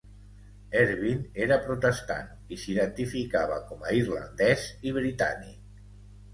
Ervine era protestant i s'identificava com a irlandès i britànic.